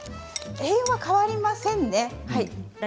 栄養は変わりませんね。